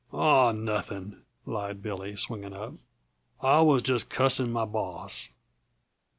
"Aw, nothing," lied Billy, swinging up. "I was just cussing my hoss."